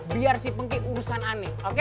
biar si pengki urusan aneh